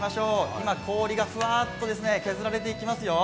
今、氷がふわっと削られていきますよ。